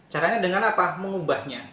caranya dengan apa mengubahnya